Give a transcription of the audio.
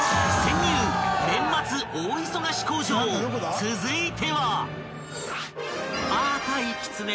［続いては］